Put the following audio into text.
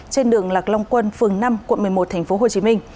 trên đường lạc long quân phường năm quận một mươi một tp hcm